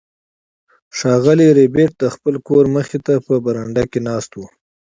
ښاغلی ربیټ د خپل کور مخې ته په برنډه کې ناست و